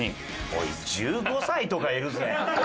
おい１５歳とかいるぜ？